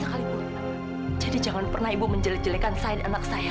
ada jelekan sayang anak saya